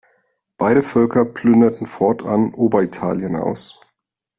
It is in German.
Beide Völker plünderten fortan Oberitalien aus.